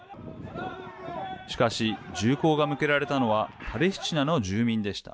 しかし、銃口が向けられたのはパレスチナの住民でした。